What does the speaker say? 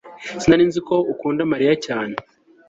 sinari nzi ko ukunda mariya cyane